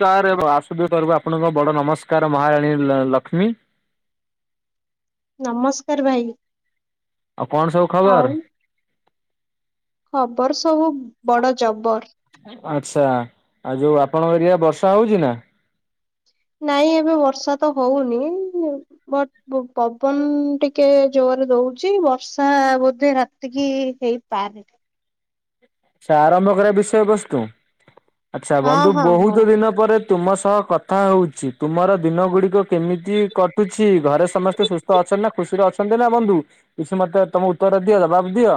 ଚାରେ ଏବେ ଆଶୁତୋଷ ତରଫୁ ଆପଣଙ୍କ ବଡ଼ ନମସ୍କାର ମହାରାଣୀ ଲ-ଲକ୍ଷ୍ମୀ। ନମସ୍କାର ଭାଇ। ଆଉ କଣ ସବୁ ଆଉ ଖବର? ଖବର ସବୁ ବଡ ଜବର। ଆଚ୍ଛା ଆଉ ଯୋଉ ଆପଣଙ୍କ ଏରିଆ ବର୍ଷା ହଉଚି ନା? ନାଇଁ ଏବେ ବର୍ଷା ତ ହଉନି ମୁ ବ ବୁ-ପବନ ଟିକେ ଜୋରରେ ଦଉଛି ବର୍ଷା ବୋଧେ ରାତିକି ହେଇପାରେ। ସେ ଆରମ୍ଭ କରିବା ବିଷୟବସ୍ତୁ। ଆଚ୍ଛା ହଁ ବନ୍ଧୁ ହଁ ହଁ ବହୁତ ଦିନ ପରେ ତୁମ ସହ କଥା ହଉଛି ତୁମର ଦିନ ଗୁଡିକ କେମିତି କଟୁଛି? ଘରେ ସମସ୍ତେ ସୁସ୍ଥ ଅଛନ୍ତି ନା? ଖୁସିରେ ଅଛନ୍ ଛନ୍ତି ନା ବନ୍ଧୁ କିଛି ମୋତେ ତୋମ ଉତ୍ତର ଦିଅ, ଜବାବ ଦିଅ।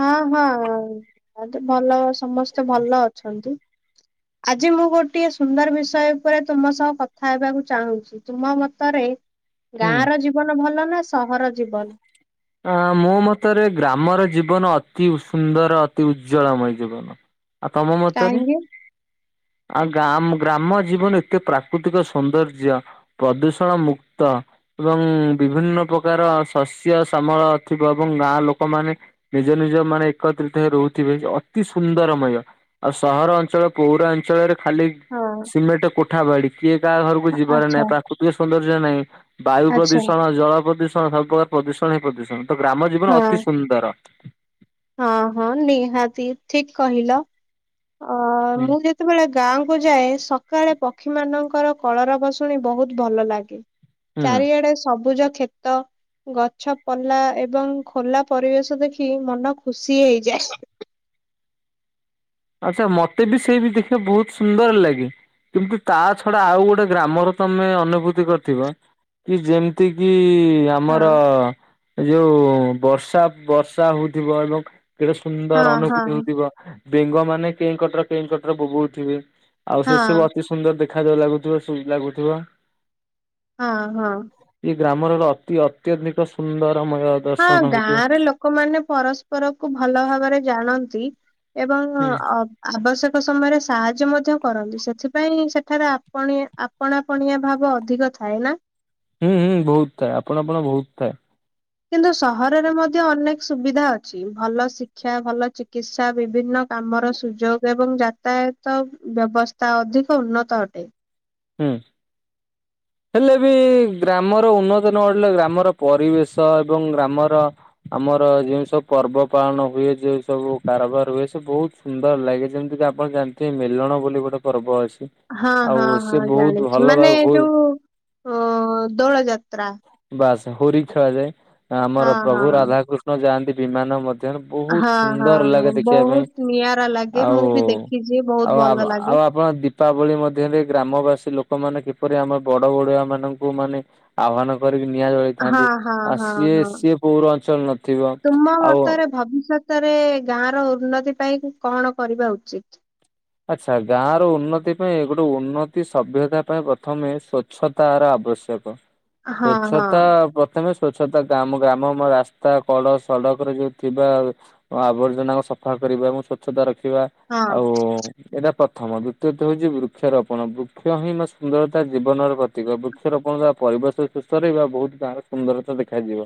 ହଁ, ହଁ ବହୁତି ଭଲ ସମସ୍ତେ ଭଲ ଅଛନ୍ତି। ଆଜି ମୁଁ ଗୋଟିଏ ସୁନ୍ଦର ବିଷୟ ଉପରେ ତୁମ ସହ କଥା ହେବାକୁ ଚାହୁଁଚି? ଏ ତୁମ ମତରେ ଗାଁ ହୁଁ। ର ଜୀବନ ଭଲ ନା ସହର ଜୀବନ? ଅଁ, ମୋ ମତରେ ଗ୍ରାମର ଜୀବନ ଅତି ସୁନ୍ଦର ଅତି ଉଜ୍ଜଳମୟ ଜୀବନ। [unintelligible] ଆଉ ତୋମ ମତରେ? କାହିଁକି ଆଉ ଗା ଗ୍ରାମ ଜୀବନ ଏତେ ପ୍ରାକୃତିକ ସୌନ୍ଦର୍ଯ୍ୟ ପ୍ରଦୂଷଣ ମୁକ୍ତ ଏବଂ ବିଭିନ୍ନ ପ୍ରକାର ଶସ୍ୟ ସାମଳ ଥିବ ଏବଂ ଗାଁ ଲୋକମାନେ ନିଜ ନିଜ ମାନେ ଏକତ୍ରିତ ହେଇ ରହୁଥିବେ ଯେ ଅତି ସୁନ୍ଦରମୟ। ଆଉ ସହର ଅଞ୍ଚଳ ପୌର ଅଞ୍ଚଳରେ ଖାଲି ହଁ ସିମେଣ୍ଟ କୋଠା ବାଡି କିଏ କାହା ଘରକୁ ଯିବାର ଆଚ୍ଛା ନାହିଁ। ପ୍ରାକୃତିକ ସୌନ୍ଦର୍ଯ୍ୟ ନାହିଁ। ବାୟୁ ଆଚ୍ଛା ପ୍ରଦୂଷଣ, ଜଳ ପ୍ରଦୂଷଣ ସବୁପକାର ପ୍ରଦୂଷଣ ହିଁ ପ୍ରଦୂଷଣ। ତ ଗ୍ରାମ ଜୀବନ ହଁ ଅତି ସୁନ୍ଦର। ହଁ ହଁ ନିହାତି ଠିକ କହିଲ। ଅ, ମୁଁ ଯେ ଯେତେବେଳେ ଗାଁକୁୁ ଯାଏ ସକାଳେ ପକ୍ଷୀ ମାନଙ୍କର କଳରାବ ଶୁଣି ବହୁତ ଭଲ ଲାଗେ। ହୁଁ। ଚାରିଆଡେ ସବୁଜ ଖେତ। ଗଛ ପଲା ଏବଂ ଖୋଲା ପରିବେଶ ଦେଖି ମନ ଖୁସି ହେଇଯାଏ। ଆଚ୍ଛା ମୋତେ ବି ସେଇ ବି ଦେଖିବା ବହୁତ ସୁନ୍ଦର ଲାଗେ। କିମୁ ତା ଛଡା ଆଉ ଗୋଟେ ଗ୍ରାମର ତୋମେ ଅନୁଭୂତି କରିଥିବ। କି ଯେମିତି କି ଆ ଆମର ହଁ ଏ ଯୋଉ ବର୍ଷା ବର୍ଷା ହଉଥିବ ଏବଂ କେଡେ ହଁ ସୁନ୍ଦର ଅନୁଭୂତି ହଁ ହଉଥିବ। ବେଙ୍ଗ ମାନେ କେଁ କଟର କେଁ କଟର ବୋବଉଥିବେ। ଆଉ ସେ ହଁ ସବୁ ଅତି ସୁନ୍ଦର ଦେଖା ଯେ ଲାଗୁଥିବ। ସୁଇଟ୍ ଲାଗୁଥିବ। ହଁ, ହଁ। ଏଇ ଗ୍ରାମର ହେଲା ଅତି ଅତ୍ୟଧିକ ସୁନ୍ଦରମୟ। ହଁ ଦର୍ଶନ ହେଇଥିବ। ଗାଁରେ ଲୋକୋମାନେ ପରସ୍ପର କୁ ଭଲ ଭାବରେ ଜାଣନ୍ତି। ଏବଂ ହୁଁ ଅବ୍ ଆବଶ୍ୟକ ସମୟରେ ସାହାଯ୍ୟ ମଧ୍ୟ କରନ୍ତି ସେଥିପାଇଁ ସେଠାରେ ଆପଣିଅ ଆ ପଣା ପଣିଆ ଭାବ ଅଧିକ ଥାଏ ନା। ହୁଁ ହୁଁ ବୋହୁତ ଥାଏ ଆପଣା ପଣ ବୋହୁତ ଥାଏ। କିନ୍ତୁ ସହରରେ ମଧ୍ୟ ଅନେକ ସୁବିଧା ଅଛି ଭଲ ଶିକ୍ଷା ଭଲ ଚିକିତ୍ସା ବିଭିନ୍ନ କାମର ସୁଯୋଗ ଏବଂ ଜା ତାୟତ ବ୍ୟବସ୍ଥା ଅଧିକ ଉନ୍ନତ ଅଟେ। ହୁଁ। ହେଲେ ବି ଗ୍ରାମର ଉନ୍ନତ ନ ଘଡିଲେ ଗ୍ରାମର ପରିବେଶ ଏବଂ ଗ୍ରାମର ଆମର ଯେଉଁ ସବୁ ପର୍ବ ପାଳନ ହୁଏ ଯେଉଁ ସବୁ କାରବାର ହୁଏ ସେ ବୋହୁତ ସୁନ୍ଦର ଲାଗେ ଯେମିତି କି ଆପଣ ଜାଣିଥିବେ ମେଲଣ ବୋଲି ଗୋଟେ ପର୍ବ ଅଛି। ହଁ ଆଉ ହଁ ସେ ହଁ ବହୁତ ଜାଣିଚି ଭଲ ବା ମାନେ ହୁଏ ଯୋଉ ଉଁ ଦୋଳୋ ଯାତ୍ରା। ବାସ୍ ହୋରି ଖେଳା ଯାଏ ହଁ ଆମର ପ୍ରଭୁ ହଁ। ରାଧାକୃଷ୍ଣ ଯାଆନ୍ତି ବିମାନ ମ [unintelligible] ବୋହୁତ ହଁ ହଁ ସୁନ୍ଦର ଲାଗେ ହଁ ଦେଖିବା ପାଇଁ ବହୁତ ନିଆରା ଲାଗେ ଆଉ ମୁଁ ବି ଦେଖିଛି ବହୁତ ଆଉ ଆବ୍ ଭଲ ଲାଗେ। ଆଉ ଆପଣ ଦି ପାବୋଳି ମଧ୍ୟରେ ଗ୍ରାମବାସୀ ଲୋକୋମାନୋ କିପରି ଆମ ବଡ ବଡୁଆ ମାନଙ୍କୁ ମାନେ ଆହ୍ବାନ କରିକି ନିଆଁ ହଁ ଜଳେଇଥାନ୍ତି ହଁ ଆ ହଁ ସିଏ ହଁ ସିଏ ପୌର ଅଞ୍ଚଳ ନଥିବ ଆଉ ଭବିଷତ ତରେ ଗାଁ ର ଉନ୍ନତି ପାଇଁ କଣ କରିବା ଉଚିତ୍। ଆଚ୍ଛା ଗାଁ ର ଉନ୍ନତି ପାଇଁ ଗୋଟେ ଉନ୍ନତି ସଭ୍ୟତା ପାଇଁ ପ୍ରଥମେ ସ୍ୱ ଚ୍ଛତାର ଆବଶ୍ୟକ ହଁ ହଁ ସ୍ଵଚ୍ଛତା ପ ପ୍ରଥମେ ସ୍ଵଚ୍ଛତା କାମ ଗ୍ରାମ ଆମ ରାସ୍ତା କଡ ସଡକରେ ଯୋଉ ଥିବା ଓ ଆବର୍ଜନା ଓ ସଫା କରିବା ଏବଂ ସ୍ୱଚ୍ଛତା ରଖିବା ହଁ ଆଉ ଏଇଟା ପ୍ରଥମ ଦୁତୀୟତ ହୋଉଚି ବୃକ୍ଷରୋପଣ ବୃକ୍ଷ ହିଁ ମୋ ସୁନ୍ଦରତା ଜୀବନର ପ୍ରତୀକ ବୃ କ୍ଷ ରୋପୋଣ ହେଲା ପରିବେଶ ସୁସ୍ଥ ରହିବା ବୋହୁତ ତାହାର ସୁନ୍ଦରତା ଦେଖାଯିବ।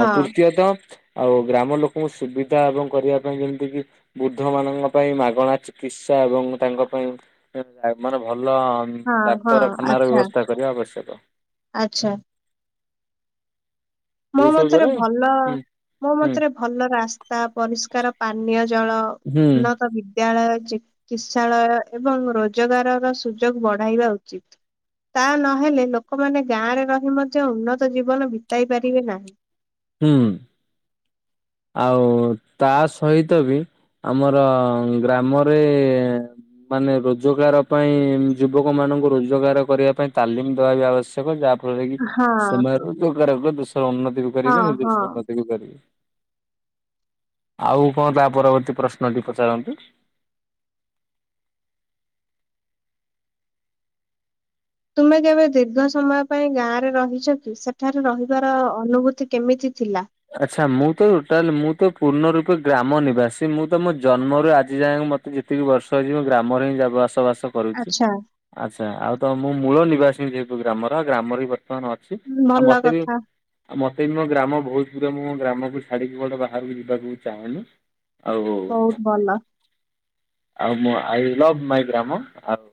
ଆଉ ତୃତୀୟତ ଆଉ ଗ୍ରାମ ଲୋକୋଙ୍କୁ ସୁବିଧା ଏବଂ କରିବା ପାଇଁ ଯେମିତି କିି ବୃଦ୍ଧ ମାନଙ୍କ ପାଇଁ ମାଗଣା ଚି କିସା ଏବଂ ତାଙ୍କ ପାଇଁ [unintelligible] ମାନେ ଭଲ ହଁ ହଁ ଡାକ୍ତରଖାନାର ଆଚ୍ଛା। ବ୍ୟବସ୍ଥା କରିବା ଆବଶ୍ୟକ। ଆଚ୍ଛା। ମୋ ଏଇ ସବୁ ମତରେ ଭଲ ଦ୍ଵାରା ମୋ ହୁଁ ମତରେ ଭଲ ରାସ୍ତା ପରିଷ୍କାର ପାନୀୟ ଜଳ ଉନ୍ନତ ବି ଦ୍ୟାଳୟ ଚିକିତ୍ସାଳୟ ଏବଂ ରୋଜୋଗାରର ସୁଯୋଗ ବଢାଇବା ଉଚିତ। ତା ନହେଲେ ଲୋକୋମାନେ ଗାଁରେ ରହି ମଧ୍ୟ ଉନ୍ନତ ଜୀବନ ବିତାଇ ପାରିବେ ନାହିଁ। ହୁଁ। ଆଉ ତା ସହିତ ବି ଆମର ଗ୍ରାମରେ ମାନେ ରୋଜୋଗାର ପାଇଁ ଯୁବକ ମାନଙ୍କୁ ରୋଜୋଗାର କରିବା ପାଇଁ ତାଲିମ ଦବା ବି ଆବଶ୍ୟକ ଯାହା ଫ ଳରେ ହଁ ସେମା ରୋଜୋଗାର କ ଦେଶର ଉନ୍ନତି ବି ହଁ କରିବେ ହଁ। ନିଜସ୍ୱ ଉନ୍ନତି ବି କରିବେ। ଆଉ କଁ ତା ପରବର୍ତ୍ତୀ ପ୍ରଶ୍ନଟି ପଚାରନ୍ତୁ। ତୁମେ କେବେ ଦୀର୍ଘ ସମୟ ପାଇଁ ଗାଁ ରେ ରହିଛ କି ସେଠାରେ ରହିବାର ଅନୁଭୂତି କେମିତି ଥିଲା। ଆଚ୍ଛା ମୁଁ ତ ଟୋଟାଲ ମୁଁ ତ ପୂର୍ଣ୍ଣ ରୂପେ ଗ୍ରାମ ନିବାସୀ ମୁଁ ତ ମୋ ଜନ୍ମରୁ ଆଜି ଯାଏଁ ମ ତେ ଯେତିକି ବର୍ଷ ଅଛି ମୁଁ ଗ୍ରାମରେ ହିଁ ଯା ବାସବାସ କରୁଚି ଆଚ୍ଛା ଆଚ୍ଛା ଆଉ ତ ମୁଁ ମୂଳ ନିବାସୀ ଯେହେତୁ ଗ୍ରାମର ଗ୍ରାମରେ ବି ବର୍ତ୍ତମାନ ଅ ଛି ଆଉ ଭଲ ମତେ ବି କଥା ଆଉ ମତେ ବି ମୋ ଗ୍ରାମ ବୋହୁତ କିନ୍ତୁ ମୁଁ ମୋ ଗ୍ରାମକୁ ଛାଡ଼ିକି କୁଆଡ଼େ ବାହାରୁକୁ ଯିବାକୁ ବି ଚାହେଁନି ଆଉ ବହୁତ ଭଲ। ଆଉ ମୁଁ ଆଇ ଲଭ୍ ମାଇ ଗ୍ରାମ ଆଉ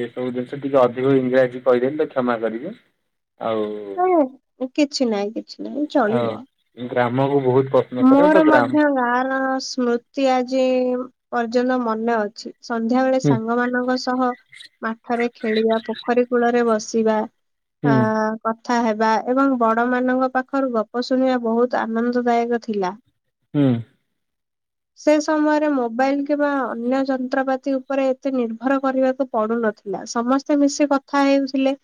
ଏ ସବୁ ଦିନ୍ସ ଟିକେ ଅଧିକ ଇଂରାଜୀ କହିଦେଲି ତ କ୍ଷମା କରିବେ ଆଉ ଓ କିଛି ନାଇଁ କିଛି ନାହିଁ ଆଉ ଚଳିବ। ମୁଁ ଗ୍ରାମକୁ ବୋହୁତ ପ ମୋର ମଧ୍ୟ ଗାଁ ର ସ୍ମୃତି ଆଜି ପର୍ଯ୍ୟନ୍ତ ମନେ ଅଛି। ସନ୍ଧ୍ୟା ବେଳେ ହୁଁ ସାଙ୍ଗ ମାନଙ୍କ ସହ ମଠରେ ଖେଳିବା, ପୋଖରୀ କୂଳରେ ବସିବା ଆ ହୁଁ। କଥା ହେବା ଏବଂ ବଡ ମାନଙ୍କ ପାଖରୁ ଗପ ଶୁଣିବା ବହୁତ ଆନନ୍ଦଦାୟକ ଥିଲା। ହୁଁ। ସେ ସମୟରେ ମୋବାଇଲ କିମ୍ବା ଅନ୍ୟ ଯନ୍ତ୍ରପାତି ଉପରେ ଏତେ ନିର୍ଭର କରିବାକୁ ପଡୁ ନଥିଲା, ସମସ୍ତେ ମିଶି କଥା ହେଉଥିଲେ।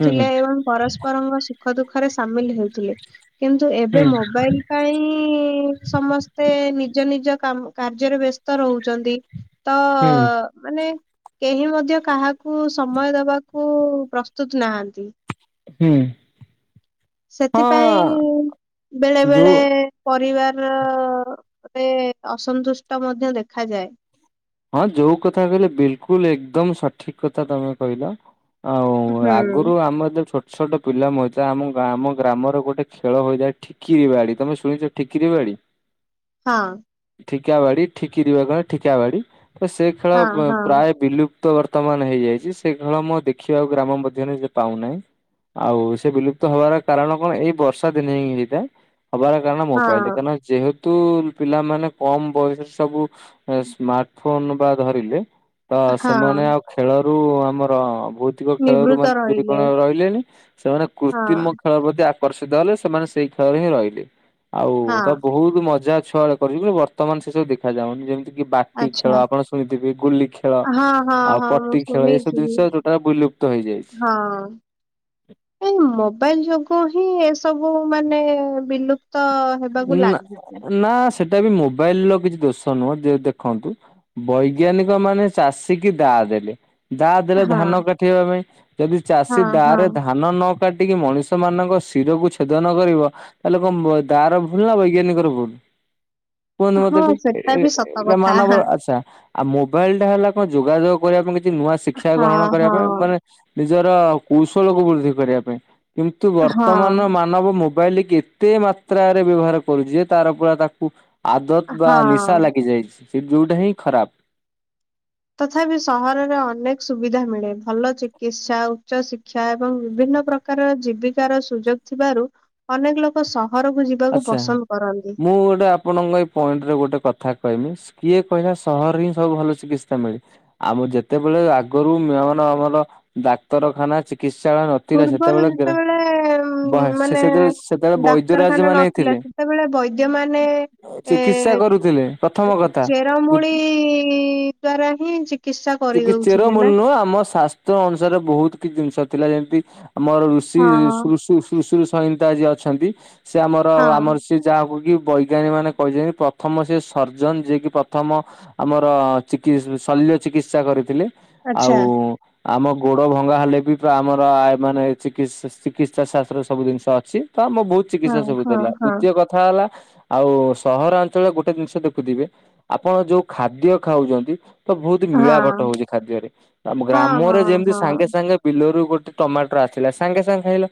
ହୁଁ ଏବଂ ପରସ୍ପରଙ୍କ ସୁଖ ଦୁଃଖରେ ସାମିଲ ହେଉଥିଲେ। କିନ୍ତୁ ଏବେ ହୁଁ ମୋବାଇଲ ପାଇଁ ସମସ୍ତେ ନିଜ ନିଜ କାମ କାର୍ଯ୍ୟରେ ବ୍ୟସ୍ତ ରହୁଚନ୍ତି। ତ ହୁଁ ମାନେ କେହି ମଧ୍ୟ କାହାକୁ ସମୟ ଦବା କୁ ପ୍ରସ୍ତୁତ ନାହାଁନ୍ତି। ହୁଁ ସେଥିପାଇଁ ହଁ ବେଳେ ଯୋଉ ବେଳେ ପରିବାରରେ ଅସନ୍ତୁଷ୍ଟ ମଧ୍ୟ ଦେଖାଯାଏ। ହଁ ଯୋଉ କଥା କହିଲେ ବିଲକୁଲ ଏକଦମ ସଠିକ କଥା ତମେ କହିଲ। ଆଉ ଆଗୁରୁ ହୁଁ ଆମ ଯେତେ ଛୋଟ ଛୋଟ ଛୋଟ ପିଲା ମଜା ଆମ ଗ୍ରା ଆମ ଗ୍ରାମର ଗୋଟେ ଖେଳ ହୋଇଥାଏ ଠି କିରି ବାଡି, ତମେ ଶୁଣିଛ ଠିକିରି ବାଡି? ହଁ। ଠିକା ବାଡି ଠିକିରିି ବା ଖେ ଠିକା ବାଡି ତ ସେ ଖେଳ ହଁ ହଁ ପ-ପ୍ରାୟେ ବିଲୁ ପ୍ତ ବର୍ତ୍ତମାନ ହେଇଯାଇଚି ସେ ଖେଳ ମୁଁ ଆଉ ଦେଖିବାକୁ ଗ୍ରାମ ମଧ୍ୟରେ ପାଉନାଇଁ। ଆଉ ସେ ବିଲୁପ୍ତ ହବାର କାରଣ କଣ ଏଇ ବର୍ଷା ଦିନେ ହିଁ ହେଇଥାଏ ହବାର କାରଣ ମୋବାଇଲ ହଁ [unintelligible] ଯେହେତୁ ପିଲାମାନେ କମ ବୟସରେ ସବୁ ସ୍ମାର୍ଟ ଫୋନ ବା ଧରିଲେ ତ ହଁ ସେମାନେ ଆଉ ଖେଳରୁ ଆମର ବହୁ ତିକ ଖେଳରୁ ନିବୃତ୍ତ ମାନେ ରହିଲେ ଦୂରୀକରଣ ରହିଲେନି, ସେମାନେ ହଁ କୃତ୍ରିମ ଖେଳ ପ୍ରତି ଆକର୍ଷିତ ହେଲେ ସେମାନେ ସେଇ ଖେଳରେ ହିଁ ରହିଲେ, ଆଉ ହଁ ତ ବହୁତ ମଜା ଛୁଆ କରିବେ ବର୍ତ୍ତମାନ ସେ ସବୁ ଦେଖା ଯାଉନି ଯେମିତିକି ପା ଟି ଖେଳ ଆଚ୍ଛା ଆପଣ ଶୁଣିଥିବେ ଗୁଲି ଖେଳ ହଁ ହଁ ଆଉ ହଁ ମୁଁ ପଟି ଖେଳ ଏଇସବୁ ଶୁଣିଛି ଜିନିଷ ଯୋଉଟା ବୁଲୁ ହଁ। ଏ ମୋବାଇଲ ଯୋଗୁ ହିଁ ଏସବୁ ମାନେ ବିଲୁପ ତ ହେବାକୁ ନା ଲାଗିଚି। ନା ସେଟା ବି ମୋବାଇଲର କିଛି ଦୋଷ ନୁହଁ, ଯୋଉ ଦେଖନ୍ତୁ ବୈଜ୍ଞାନିକ ମାନେ ଚାଷୀ କିି ଦାଆ ଦେଲେ। ଦାଆ ଦେଲେ ହଁ ଧାନ କାଟିବା ପାଇଁ, ଯଦି ହଁ ଚାଷୀ ଦାଆ ହଁ ରେ ଧାନ ନ କାଟିକି ମଣିଷ ମାନଙ୍କ ଶିରକୁ ଛେଦନ କରିବ, ତାହେଲେ କଁ ତା ର ଭୁଲ ନା ବୈଜ୍ଞାନିକର ଭୁଲ? କୁହନ୍ତୁ ମତେ ହଁ ଟିକେ ସେଟା ବି ସତ କଥା ଏ-ଏମାନଙ୍କର ହଁ ଆଚ୍ଛା। ଆଉ ମୋବାଇଲ ଟା ହେଲା କଁ ଯୋଗାଯୋଗ କରିବା ପାଇଁ କିଛି ନୂଆ ଶିକ୍ଷା ଗ୍ରହଣ କରିବା ହଁ ପାଇଁ ମାନେ ନିଜର କୌଶଳକୁୁ ବୃଦ୍ଧି କରିବା ପାଇଁ କିନ୍ତୁ ବର୍ତ୍ତମାନର ହଁ ମା ନବ ମୋବାଇଲକି ଏତେ ମାତ୍ରାରେ ବ୍ୟବହାର କରୁଚି ଯେ ତାର ପୁରା ତାକୁ ଆଦତ ବା ହଁ ନିଶା ଲାଗିଯାଇଚି ସେ ଯୋଉଟା ହିଁ ଖରାପ। ତଥାପି ସହରରେ ଅନେକ ସୁବିଧା ମିଳେ, ଭଲ ଚିକିତ୍ସା, ଉଚ୍ଚ ଶିକ୍ଷା ଏବଂ ବିଭିନ୍ନ ପ୍ର କାରର ଜୀବିକାର ସୁଯୋଗ ଥିବାରୁ ଅନେକ ଲୋକ ସହରକୁ ଯି ଆଚ୍ଛା ମୁଁ ଗୋଟେ ଆପଣଙ୍କୁ ଏଇ ପଏଣ୍ଟରେ ଗୋଟେ କଥା କହିମି କିଏ କହିଲା ସହରରେ ହିଁ ସବୁ ଭଲ ଚିକିତ୍ସା ମିଳେ? ଆମ ଯେତେବେଳେ ଆଗରୁ ମେଅନ ଆମର ଡାକ୍ତରଖାନା ଚିକିତ୍ସାଳୟ ନଥିଲା ପୂର୍ବରୁ ସେତେବେଳେ ଯେତେବେଳେ ବ ସେ ମାନେ ସେତେବେଳେ ସେତେବେଳେ ଡାକ୍ତରଖା ବୈଦ୍ୟରାଜ ନା ମାନେ ନଥିଲା ଥିଲେ ସେତେବେଳେ ବୈଦ୍ୟ ମାନେ ଚିକିତ୍ସା ଏ କରୁଥିଲେ ପ୍ରଥମ କଥା। ଚେରମୂଳି ଦ୍ଵାରା ହିଁ ଚି କିସା କରିଦଉଥିଲେ ନା। ତ ଅନୁସାରେ ବହୁତ କିଛି ଜିନିଷ ଥିଲା ଯେମିତି ଆମର ଋଷି ହଁ [unintelligible] ତୁଶୁର ସହିତା ଆଜି ଅଛନ୍ତି ସେ ଆମର ହଁ ଆମର ସେ ଯାହାକୁ କି ବୈଜ୍ଞାନିକ ମାନେ କହିଛନ୍ତି ପ୍ରଥମ ସେ ସର୍ଜନ ଯିଏ କି ପ୍ରଥମ ଆମର ଚିକି ଶଲ୍ୟ ଚିକିତ୍ସା କରିଥିଲେ ଆଚ୍ଛା ଆଉ ଆମ ଗୋଡ ଭଙ୍ଗା ହେଲେ ବି ଆମର ମାନେ ଚିକି ଚିକିତ୍ସା ଶାସ୍ତ୍ର ରେ ସବୁ ଜିନିଷ ଅଛି। ତ ମୋ ବୋଉ ହଁ ଚିକିତ୍ସା ସବୁ ହଁ ଦେଲା ହଁ ଦ୍ୱିତୀୟ କ କଥା ହେଲା ଆଉ ସହରାଞ୍ଚଳ ଗୋଟେ ଜିନିଷ ଦେଖୁଥିବେ ଆପଣ ଯୋଉ ଖାଦ୍ୟ ଖାଉଛନ୍ତି ତ ବହୁତ ହଁ ମିଳାପଟ ହଉଛି ଖାଦ୍ୟରେ ହଁ ଗ୍ରାମରେ ହଁ ଯେମିତି ହଁ ସାଙ୍ଗେ ସାଙ୍ଗେ ବିଲରୁ ଗୋଟେ ଟମାଟର ଆସିଲା ସାଙ୍ଗେ ସାଙ୍ଗେ ଖାଇଲା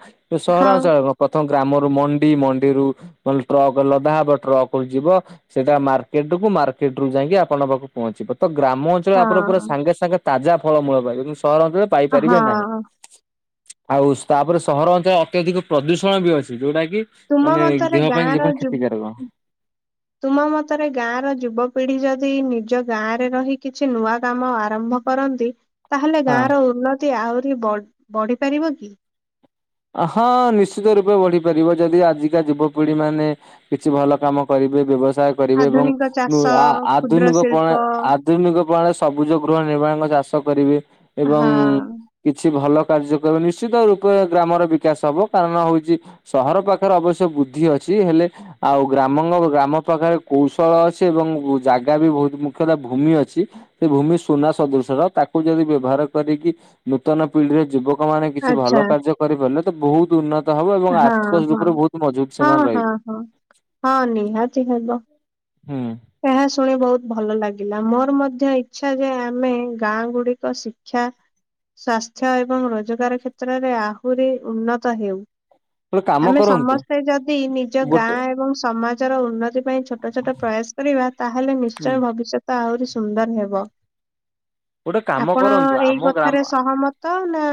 ସହରାଞ୍ଚଳ ହଁ କଣ ପ୍ରଥମ ଗ୍ରାମ ମଣ୍ଡି ମଣ୍ଡିରୁ ଟ୍ରକ ଲଦା ହବ ଟ୍ରକ ଯିବ ସେଇଟା ମାର୍କେଟ କୁ ମାର୍କେଟରୁୁ ଯାଇକି ଆପଣ ପାଖକୁ ପହଞ୍ଚିବ ତ ଗ୍ରାମ ଳେ ଆପଣ ପୁରା ହଁ ସାଙ୍ଗେ ସାଙ୍ଗେ ତାଜା ଫଳ ମୂଳ ପାଇବେ କିନ୍ତୁ ସହରାଞ୍ଚଳ ରେ ପାଇପାରିବେ ହଁ ନାହିଁ। ଆଉ ତାପରେ ସହର ଅଞ୍ଚଳରେ ଅତ୍ୟଧିକ ପ୍ରଦୂଷଣ ବି ଅଛି ଯୋଉଟା କି ତୁମ ମାନେ ମତରେ ଦେହ ପାଇଁ ଗାଁ ର ଜିବନ ଯୁ କ୍ଷତିକାରକ। ତୁମ ମତରେ ଗାଁ ର ଯୁବପିଢି ଯଦି ନିଜ ଗାଁରେ ରହି କିଛି ନୂଆ କାମ ଆରମ୍ଭ କରନ୍ତି ତାହେଲେ ଗାଁ ହଁ। ର ଉନ୍ନତି ଆହୁରି ବ ବଢି ପାରିବ କି? ହଁ ନିଶ୍ଚିତ ରୂପେ ବଢିପାରିବ ଯଦି ଆଜିକା ଯୁବପିଢି ମାନେ କିଛି ଭଲ କାମ କରିବେ ବ୍ୟବସାୟ କରିବେ ଏବଂ ଆଧୁନିକ ଚାଷ ଆ କ୍ଷୁଦ୍ର ଆଧୁନିକ ଶିଳ୍ପ ପ୍ରଣା ଆ ଆଧୁନିକ ପ୍ରଣାଳୀ ସବୁଜ ଗୃହ ନିର୍ମାଣ ଚାଷ କରିବେ ଏବଂ ହଁ କିଛି ଭଲ କାର୍ଯ୍ୟ କରି ନିଶ୍ଚିତ ରୂପରେ ଗ୍ରାମର ବିକାଶ ହବ କାରଣ ହଉଛି ସହର ପାଖରେ ଅବଶ୍ୟ ବୃଦ୍ଧି ଅଛି ହେଲେ ଆଉ ଗ୍ରାମ ଗ୍ରାମ ପାଖରେ କୌଶଳ ଅଛି ଏବଂ ଜାଗା ବି ବହୁତ ମୁଖ୍ୟତଃ ଭୂମି ଅଛି। ସେ ଭୂମି ସୁନା ସଦୃଶର ତାକୁ ଯଦି ବ୍ୟବହାର କରିକି ନୂତନ ପିଢିରେ ଯୁବକ ଲୋକ ମାନେ କିଛି ଆଚ୍ଛା ଭଲ କାର୍ଯ୍ୟ କରିପାରିଲେ ତ ବହୁତ ଉନ୍ନ ହବ ଏବଂ ହଁ ଆର୍ଥିକ ହଁ ରୂପରେ ବହୁତ ମଜବୁତ ହଁ ସେମାନେ ହଁ ରହିବେ। ହଁ ହଁ ନିହାତି ହେବ। ହୁଁ। ଏହା ଶୁଣି ବହୁତ ଭଲ ଲାଗିଲା ମୋର ମଧ୍ୟ ଇଚ୍ଛା ଯେ ଆମେ ଗାଁ ଗୁଡିକ ଶିକ୍ଷା ସ୍ଵାସ୍ଥ୍ୟ ଏବଂ ରୋଜଗାର କ୍ଷେତ୍ରରେ ଆହୁରି ଉନ୍ନତ ହେଉ। ହ ଆମେ ସମସ୍ତେ ଯଦି ନିଜ ଗାଁ ଏବଂ ସମାଜର ଉନ୍ନତି ପାଇଁ ଛୋଟ ଛୋଟ ପ୍ରୟାସ ତାହେଲେ ହୁଁ ନିଶ୍ଚୟ ଭବିଷ୍ୟତ ଆହୁରି ସୁନ୍ଦର ହେବ। ଗୋଟେ କାମ ଆପଣ କରନ୍ତୁ ଏଇ ଆମ କଥାରେ ଗ୍ରାମ ସହମତ ନା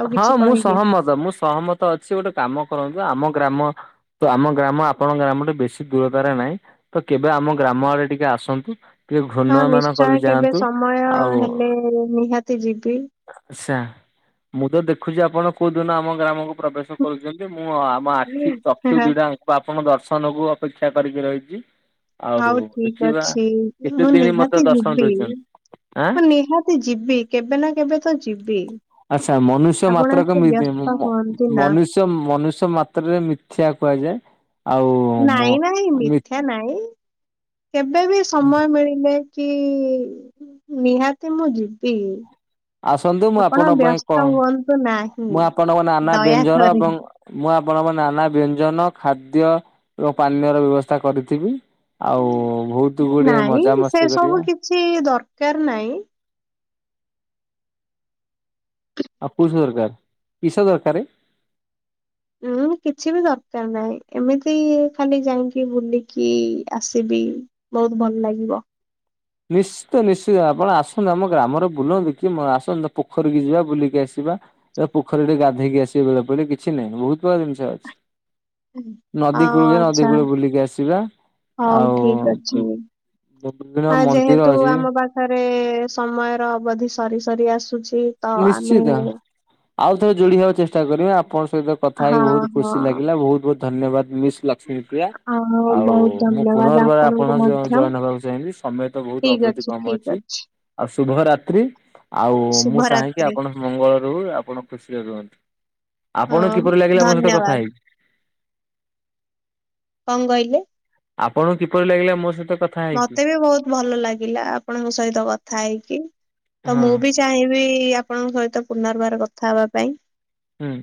ଆଉ ହଁ କିଛି ମୁଁ କହିବେ? ସହମତ ମୁଁ ସହମ ତ ଅଛି ଗୋଟେ କାମ କରନ୍ତୁ ଆମ ଗ୍ରାମ ତ ଆମ ଗ୍ରାମ ଆପଣଙ୍କ ଗ୍ରାମ ଟେ ବେଶୀ ଦୂରତାରେ ନାହିଁ। ତ କେବେ ଆମ ଗ୍ରାମ ଆଡେ ଟିକେ ଆସନ୍ତୁ ଟିକେ ଘୃଣ୍ଣ ମାନ ନିଶ୍ଚୟ କରିକି କେବେ ଯାଆନ୍ତୁ। ହଁ ସମୟ ହେଲେ ନିହାତି ଯିବି। ଆଛା ମୁଁ ତ ଦେଖୁଛି ଆପଣ କୋଉ ଦିନ ଆମ ଗ୍ରାମକୁ ପ୍ରବେଶ କରୁଛନ୍ତି ମୁଁ ଆମ ଆଖି ଚକ୍ଷୁ ହଁ, ଦିଟା ଜାଙ୍କ ଆପଣଙ୍କ ଦର୍ଶନକୁ ଅପେକ୍ଷା କରିକି ରହିଛି। ଆଉ ହଉ ଠିକ ଦେଖିବା ଅଛି କେତେ ମୁଁ ଦିନ ମତେ ନିହାତି ଦର୍ଶନ ଯିବି। ଦଉଛନ୍ତି ଆଁ ମୁଁ ନିହାତି ଯିବି କେବେ ନା କେବେ ତ ଯିବି। ଆଚ୍ଛା ମନୁଷ୍ୟ ଆପଣ ମାତ୍ରକ ଏତେ ବ୍ୟସ୍ତ ହୁଅନ୍ତୁ ନା ମନୁଷ୍ୟ ମନୁଷ୍ୟ ମାତ୍ରରେ ମିଥ୍ୟା କୁହାଯାଏ। ଆଉ ମୋ ନାଇଁ ନାଇଁ ମିଥ୍ୟା ନାଇଁ କେବେ ବି ସମୟ ମିଳିଲେ କି ନିହାତି ମୁଁ ଯିବି। ଆସନ୍ତୁ ମୁଁ ଆପଣ ଆପଣଙ୍କ ପାଇଁ କହ ବ୍ୟସ୍ତ ହୁଅନ୍ତୁ ନାହିଁ ମୁଁ ଆପଣଙ୍କ ନାନା ବ୍ୟଞ୍ଜନ ଦୟାକରି। ଏବଂ ମୁଁ ଆପଣଙ୍କ ନାନା ବ୍ୟଞ୍ଜନ ଖାଦ୍ୟ ଏବଂ ପାନୀୟର ବ୍ୟବସ୍ଥା କରିଥିବି। ଆଉ ବହୁତ ଗୁଡେ ନାଇଁ ସେ ମଜାମସ୍ତି ସବୁ କରିବା। କିଛି ଦରକାର ନାହିଁ। ଆଉ କୁଷ ଦରକାର କିସ ଦରକାରେ? ଉୁଁ କିଛି ବି ଦରକାର ନାହିଁ ଏମିତି ଖାଲି ଯାଇକି ବୁଲିକି ଆସିବି। ବହୁତୁ ଭଲ ଲାଗିବ। ନିସ୍ ତ ନିଶ୍ଚିତ ଆପଣ ଆସନ୍ତୁ ଆମ ଗ୍ରାମରେ ବୁଲନ୍ତୁ କି ଆସନ୍ତୁ ପୋଖରୀକୁ ଯିବା ବୁଲିକି ଆସିବା। ଏ ପୋଖରୀ ଗାଧୋଇକି ଆସିବ ବେଳେ ପଳେ କିଛି ନାହିଁ ବହୁତ ପ୍ରକାର ଜିନିଷ ଅଛି। ଅ ନଦୀ କୂଳ କୁ ଯିଆ ନଦୀ ଆଚ୍ଛା କୂଳ ବୁଲିକି ଆସିବା। ହଉ ଆଉ ଠିକ ଅଛି ବିଭିନ୍ନ ହଁ ମନ୍ଦିର ଯେହେତୁ ଅଛି ଆମ ପାଖରେ ସମୟର ଅବଧି ସରି ସରି ଆସୁଛି ତ ଆମେ ନିଶ୍ଚିତ ଆଉ ଥରେ ଯୋଡି ହବାକୁ ଚେଷ୍ଟା କରିବେ ଆପଣଙ୍କ ସହିତ କଥା ହେଇକି ହଁ ବହୁତ ଖୁସି ହଁ ଲାଗିଲା ବହୁତ ବହୁତ ଧନ୍ୟବାଦ ମିସ୍ ଲକ୍ଷ୍ମୀପ ପ୍ରିୟା। ଆଉ ବହୁତ ମୁଁ ଧନ୍ୟବାଦ ପୁନର୍ବାର ଆପଣଙ୍କୁ ଆପଣଙ୍କ ମଧ୍ୟ ଜଏନ ହବାକୁ ଚାହିଁବି ସମୟ ତ ବହୁତ ଅବଧି କମ ଅଛି। ଆଉ ଶୁଭ ରାାତ୍ରି ଆଉ ମୁଁ ଚାହେକି ଶୁଭରାତ୍ରି ଆପଣ ମଙ୍ଗଳ ରହୁ ଆପଣ ଖୁସିରେ ରୁହନ୍ତୁ। ଆପଣ ହଁ କିପରି ଲାଗିଲା ମୋ ସହିତ କଥା ଧନ୍ୟବାଦ ହେଇକି? କଣ କହିଲେ? ଆପଣଙ୍କୁ କିପରି ଲାଗିଲା ମୋ ସହିତ କଥ ମତେ ବି ବହୁତ ଭଲ ଲାଗିଲା ଆପଣଙ୍କ ସହିତ କଥା ହେଇକି ତ ହଁ ମୁଁ ବି ଚାହିଁବି ଆପଣଙ୍କ ସହିତ ପୁନର୍ବାର କଥା ହେବା ପାଇଁ। ହୁଁ।